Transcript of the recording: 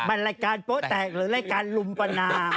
มันรายการโป๊แตกหรือรายการลุมปนา